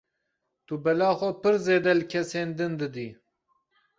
Tu bela xwe pir zêde li kesên din didî.